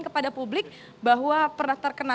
kepada publik bahwa pernah terkena